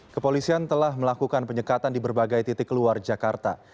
kepolisian telah melakukan penyekatan di berbagai titik luar jakarta